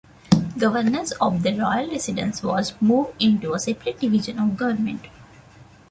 Governance of the royal residence was moved into a separate division of government.